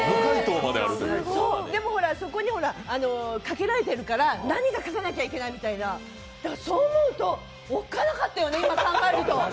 でもほら、そこに賭けられてるから何か書かなきゃいけない、だから、そう思うとおっかなかったよね。